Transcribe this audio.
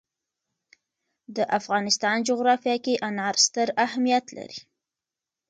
د افغانستان جغرافیه کې انار ستر اهمیت لري.